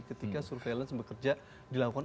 ketika surveillance bekerja dilakukan